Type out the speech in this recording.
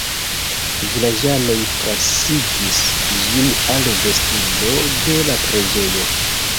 Vilaĝanoj transigis ĝin al vestiblo de la preĝejo.